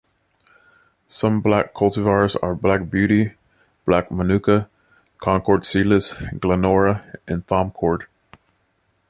Some black cultivars are 'Black Beauty', 'Black Monukka', 'Concord Seedless', 'Glenora' and 'Thomcord.